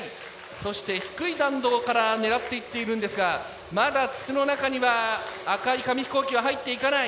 そして低い弾道から狙っていっているんですがまだ筒の中には赤い紙飛行機は入っていかない。